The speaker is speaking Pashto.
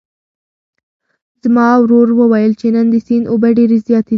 زما ورور وویل چې نن د سیند اوبه ډېرې زیاتې دي.